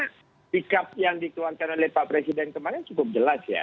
karena sikap yang dituangkan oleh pak presiden kemarin cukup jelas ya